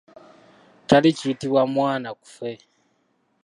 Kyali kiyitibwa mwanaakufe.